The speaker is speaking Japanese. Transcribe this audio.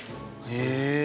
へえ。